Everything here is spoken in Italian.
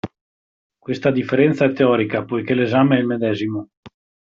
Questa differenza è teorica poiché l'esame è il medesimo.